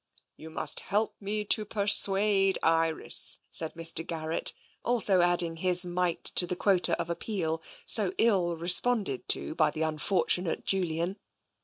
You must help me to persuade Iris," said Mr. Garrett, also adding his mite to the quota of appeal so ill responded to by the unfortunate Julian.